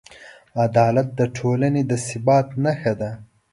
عدالت د ټولنې د ثبات نښه ده.